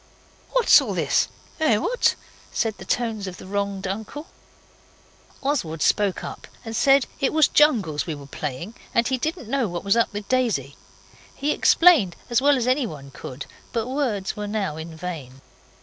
'What's all this eh, what?' said the tones of the wronged uncle. Oswald spoke up and said it was jungles we were playing, and he didn't know what was up with Daisy. He explained as well as anyone could, but words were now in vain.